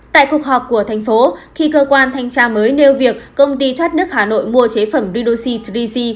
tại cuộc họp của thành phố khi cơ quan thanh tra mới nêu việc công ty thoát nước hà nội mua chế phẩm bridosy ba c